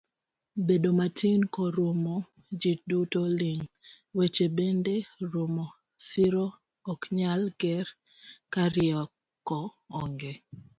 Bedo matin korumo, ji duto ling, weche bende rumo, siro oknyal ger karieko onge.